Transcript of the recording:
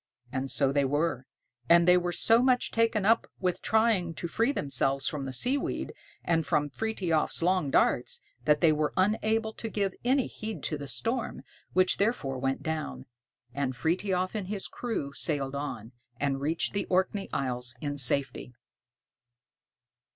And so they were; and they were so much taken up with trying to free themselves from the seaweed and from Frithiof's long darts, that they were unable to give any heed to the storm, which therefore went down, and Frithiof and his crew sailed on, and reached the Orkney Isles in safety.